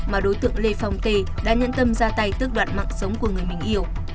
mà đối tượng lê phong tê đã nhận tâm ra tay tước đoạn mạng sống của người mình yêu